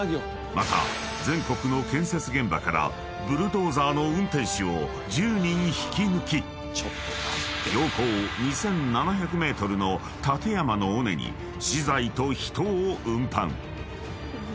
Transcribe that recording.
［また全国の建設現場からブルドーザーの運転手を１０人引き抜き標高２，７００ｍの立山の尾根に資材と人を運搬］